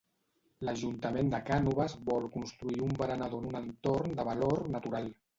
L'Ajuntament de Cànoves vol construir un berenador en un entorn de valor natural.